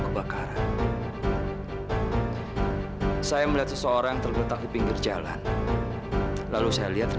kenapa teh harus pergi secepet itu sih teh